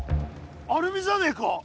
アルミじゃねえか？